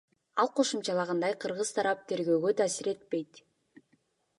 Ал кошумчалагандай, кыргыз тарап тергөөгө таасир этпейт.